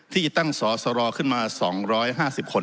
ที่ตั้งสอสรขึ้นมา๒๕๐คน